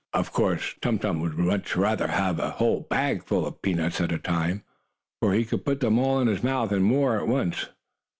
Of course Tum Tum would much rather have had a whole bag full of peanuts at a time, for he could put them all in his mouth, and more, at once.